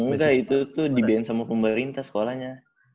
enggak itu tuh dibayar sama pemerintah sekolahnya